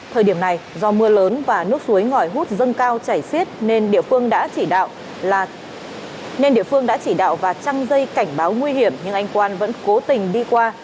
thời điểm này do mưa lớn và nước suối ngòi hút dâng cao chảy xiết nên địa phương đã chỉ đạo và trăng dây cảnh báo nguy hiểm nhưng anh quan vẫn cố tình đi qua